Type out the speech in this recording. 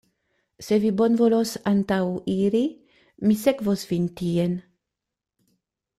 Se vi bonvolos antaŭiri, mi sekvos vin tien.